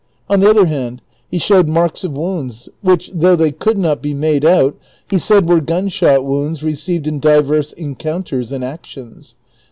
On the other hand he showed marks of wounds, whi(;h, though they could not be made out, he said were gunshot wounds received in divers encounters and actions.